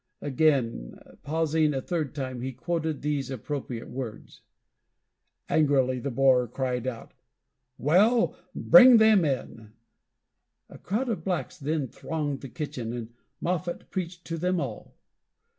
Again pausing, a third time he quoted these appropriate words. Angrily the Boer cried out, "Well, well, bring them in." A crowd of blacks then thronged the kitchen, and Moffat preached to them all.